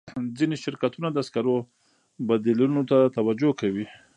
ځینې شرکتونه د سکرو بدیلونو ته توجه کوي.